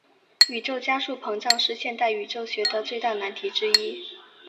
宇宙加速膨胀是现代宇宙学的最大难题之一。